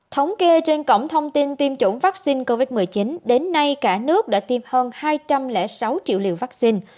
thống kê trên cổng thông tin tiêm chủng vaccine covid một mươi chín đến nay cả nước đã tiêm hơn hai trăm linh sáu triệu liều vaccine